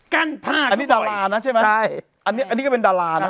ภาคอันนี้ดารานะใช่ไหมใช่อันนี้อันนี้ก็เป็นดารานะ